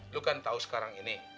lu kan tahu sekarang ini